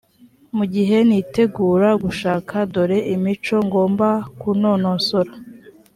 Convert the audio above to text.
mu gihe nitegura gushaka dore imico ngomba kunonosora